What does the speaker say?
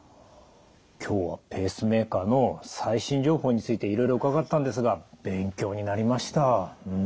今日はペースメーカーの最新情報についていろいろ伺ったんですが勉強になりました。